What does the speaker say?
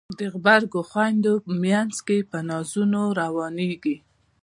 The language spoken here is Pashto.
د غبرګو خویندو مینځ کې په نازونو روانیږي